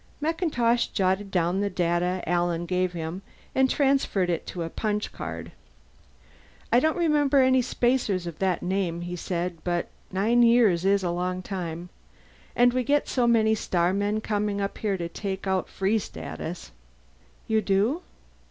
MacIntosh jotted down the data Alan gave him and transferred it to a punched card. "I don't remember any spacers of that name," he said, "but nine years is a long time. And we get so many starmen coming up here to take out Free Status." "You do?"